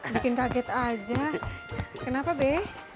bikin kaget aja kenapa be